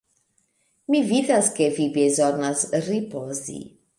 Mi vidas ke vi bezonas ripozi!